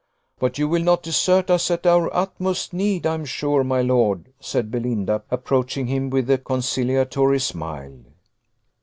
"But you will not desert us at our utmost need, I am sure, my lord," said Belinda, approaching him with a conciliatory smile.